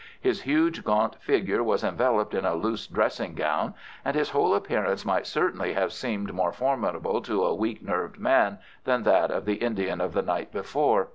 His huge gaunt figure was enveloped in a loose dressing gown, and his whole appearance might certainly have seemed more formidable to a weak nerved man than that of the Indian of the night before.